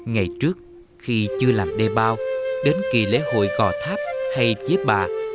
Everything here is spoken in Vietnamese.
ngày trước khi chưa làm đề bao đến kỳ lễ hội gò tháp hay chế bà